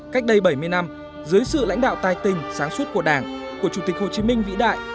cách đây bảy mươi năm dưới sự lãnh đạo tài tình sáng suốt của đảng của chủ tịch hồ chí minh vĩ đại